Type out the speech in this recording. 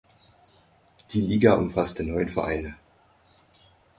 Die Liga umfasste neun Vereine.